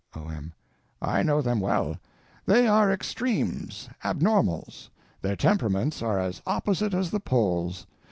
O.M. I know them well. They are extremes, abnormals; their temperaments are as opposite as the poles.